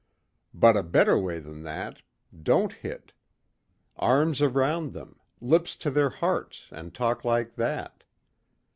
But a better way than that.... Don't hit. Arms around them, lips to their hearts and talk like that.